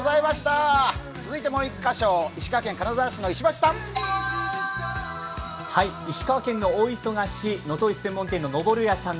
続いてもう１カ所、石川県金沢市の石橋さん。